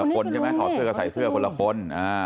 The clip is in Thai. คนเหรอต่อเสื้อใส่เสื้อคนละคน